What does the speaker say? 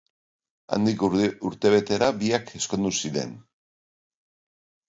Handik urte betera biak ezkondu ziren.